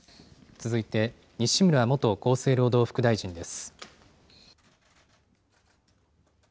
続いて、西村元厚生労働副大臣です。